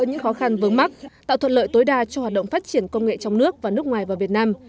những khó khăn vướng mắt tạo thuận lợi tối đa cho hoạt động phát triển công nghệ trong nước và nước ngoài vào việt nam